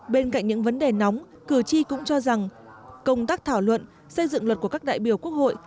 bên cạnh những vấn đề nóng cử tri cũng cho rằng công tác thảo luận xây dựng luật của các đại biểu quốc hội